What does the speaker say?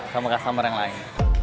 sama customer yang lain